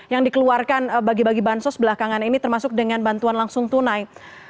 yang dikeluarkan bagi bagi bansos belakangan ini termasuk dengan bantuan langsung tunai